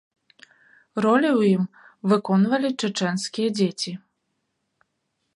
Ролі ў ім выконвалі чэчэнскія дзеці.